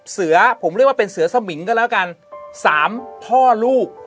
เสือผมเรียกว่าเป็นเสือสมิงก็แล้วกันสามพ่อลูก